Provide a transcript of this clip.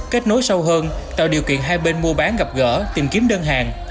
kết nối sâu hơn tạo điều kiện hai bên mua bán gặp gỡ tìm kiếm đơn hàng